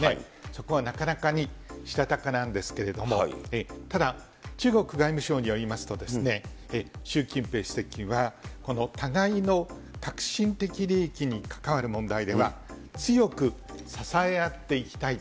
そこはなかなかにしたたかなんですけど、ただ中国外務省によりますと、習近平主席は、この互いの核心的利益に関わる問題では、強く支え合っていきたい。